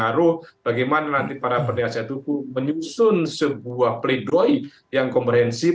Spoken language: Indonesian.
maka juga sangat terpengaruh bagaimana nanti para pendidik asetuku menyusun sebuah plidoy yang komprensif